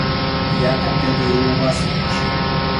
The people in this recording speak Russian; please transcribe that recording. Я обедаю у вас нынче.